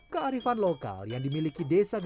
kearifan lokal yang dimiliki desa